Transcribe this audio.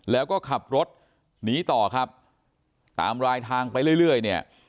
แล้วก็ขับรถหนีต่อครับตามรายทางไปเรื่อยเนี่ย